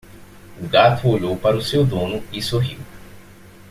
O gato olhou para o seu dono e sorriu.